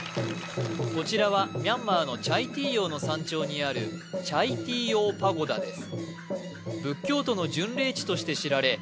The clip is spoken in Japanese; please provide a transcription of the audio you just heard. こちらはミャンマーのチャイティーヨーの山頂にあるチャイティーヨー・パゴダです